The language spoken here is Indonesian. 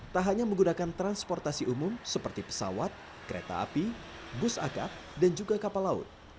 tak hanya menggunakan transportasi umum seperti pesawat kereta api bus akap dan juga kapal laut